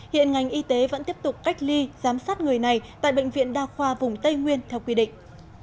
hiện ngành y tế vẫn tiếp tục cách ly giám sát người này tại bệnh viện đa khoa vùng tây nguyên theo quy định